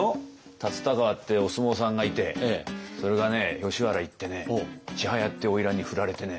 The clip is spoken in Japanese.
龍田川ってお相撲さんがいてそれがね吉原行って千早っていうおいらんに振られてね